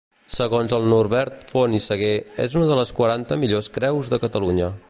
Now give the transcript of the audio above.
Segons el Norbert Font i Saguer és una de les quaranta millors creus de Catalunya.